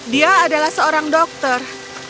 dia adalah seorang dokter